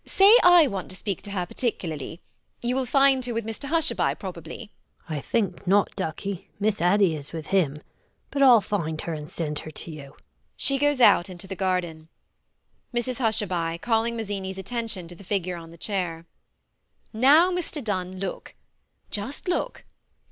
Say I want to speak to her particularly. You will find her with Mr Hushabye probably. GUINNESS. I think not, ducky: Miss Addy is with him. But I'll find her and send her to you. [She goes out into the garden]. MRS HUSHABYE [calling Mazzini's attention to the figure on the chair]. Now, Mr Dunn, look. Just look.